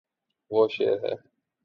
وہ شیر ہے